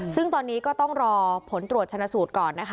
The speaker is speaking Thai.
ซึ่งตอนนี้ก็ต้องรอผลตรวจชนะสูตรก่อนนะคะ